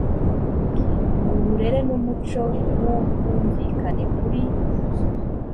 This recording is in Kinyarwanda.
uburere n umuco w ubwumvikane muri